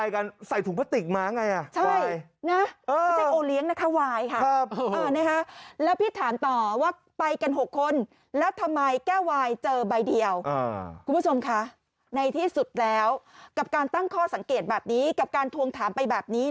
กับกินวายกันใส่ถุงพติกมาไง